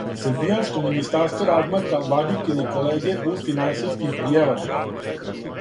Србијанско министарство разматра владикине колеге у финансијским пријеварама